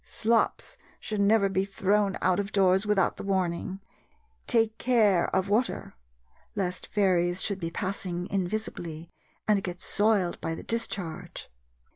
Slops should never be thrown out of doors without the warning, "Take care of water!" lest fairies should be passing invisibly and get soiled by the discharge.